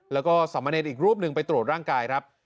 แล้วก็สมเนรอีกรูปหนึ่งไปตรวจร่างกายครับ